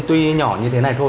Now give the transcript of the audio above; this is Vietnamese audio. tuy nhỏ như thế này thôi